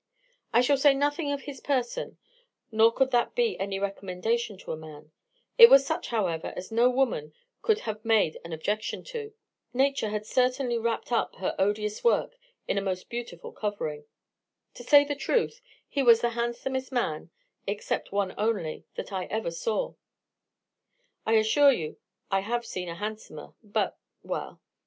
I shall say nothing of his person, nor could that be any recommendation to a man; it was such, however, as no woman could have made an objection to. Nature had certainly wrapt up her odious work in a most beautiful covering. To say the truth, he was the handsomest man, except one only, that I ever saw I assure you, I have seen a handsomer but well.